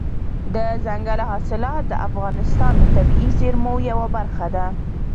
دځنګل حاصلات د افغانستان د طبیعي زیرمو یوه برخه ده.